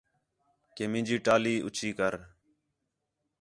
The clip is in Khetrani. کہ مینجی ٹالی اُچّی کر